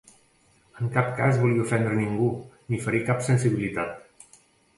En cap cas volia ofendre ningú ni ferir cap sensibilitat.